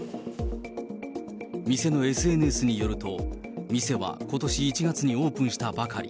店のＳＮＳによると、店はことし１月にオープンしたばかり。